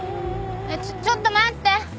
ちょっと待って。